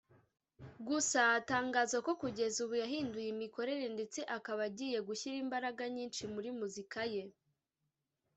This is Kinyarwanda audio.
Gusa atangaza ko kugeza ubu yahinduye imikorere ndetse akaba agiye gushyira imbaraga nyinshi muri muzika ye